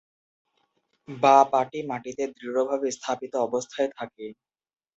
বাঁ পাটি মাটিতে দৃঢ়ভাবে স্থাপিত অবস্থায় থাকে।